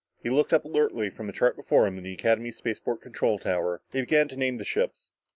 He looked up alertly from a chart before him in the Academy spaceport control tower. He began to name the ships.